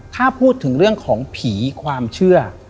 ถ้าพูดถึงเรื่องของผีความเชื่อ